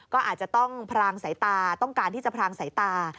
ก็อาจจะต้องพรางสายตาต้องการที่จะพรางสายตา